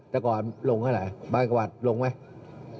แต่ก่อนลงเท่าไหร่บางกะวัดลงไหม